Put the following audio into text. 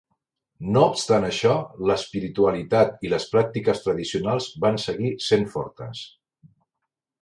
No obstant això, l'espiritualitat i les pràctiques tradicionals van seguir sent fortes.